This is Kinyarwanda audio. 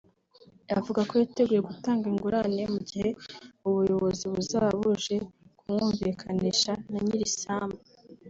avuga ko yiteguye gutanga ingurane mu gihe ubuyobozi buzaba buje kumwumvikanisha na nyir’isambu